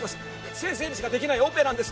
先生にしかできないオペなんです。